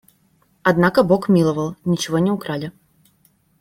Однако бог миловал – ничего не украли.